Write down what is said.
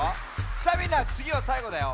さあみんなつぎはさいごだよ。